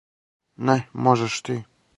Не, можеш ти.